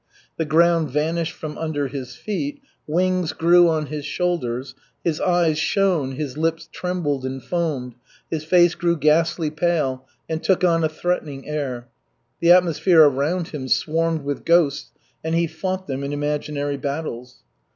The ground vanished from under his feet, wings grew on his shoulders, his eyes shone, his lips trembled and foamed, his face grew ghastly pale, and took on a threatening air. The atmosphere around him swarmed with ghosts, and he fought them in imaginary battles.